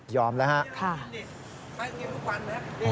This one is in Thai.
ยอมแล้วครับ